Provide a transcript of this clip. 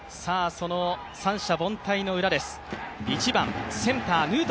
三者凡退の裏です。